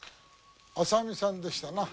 浅見さんでしたな？